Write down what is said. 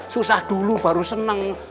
susah dulu baru seneng